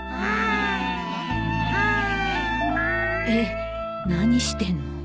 えっ何してんの？